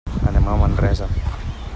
Anem a Manresa.